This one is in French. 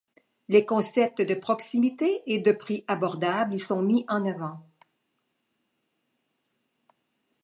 Les concepts de proximité et de prix abordables y sont mis en avant.